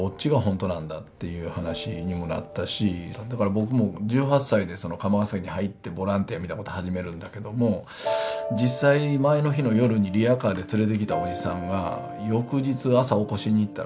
僕も１８歳で釜ヶ崎入ってボランティアみたいなこと始めるんだけども実際前の日の夜にリヤカーで連れてきたおじさんが翌日朝起こしに行ったら。